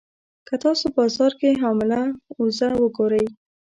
که تاسو بازار کې حامله اوزه وګورئ.